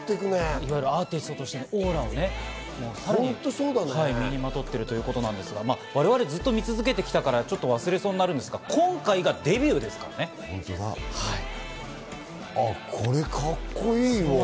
いわゆるアーティストとしてのオーラをね、身にまとっているということなんですが、我々ずっと見続けているんですが、忘れそうになるんですが、今回がこれ、カッコいいわ。